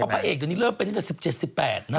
พระเอกเดี๋ยวนี้เริ่มเป็นตั้งแต่๑๗๑๘นะ